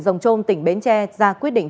rồng trôm tỉnh bến tre ra quyết định